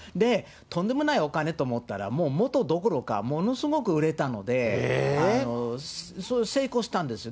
とんでもないお金と思ったら、もうもっとどころか、ものすごく売れたので、成功したんです。